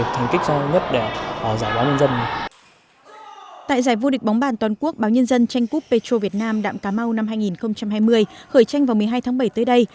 tại giải vô địch bóng bàn toàn quốc báo nhân dân tranh cúp petro việt nam đạm cà mau năm hai nghìn hai mươi khởi tranh vào một mươi hai tháng bảy tới đây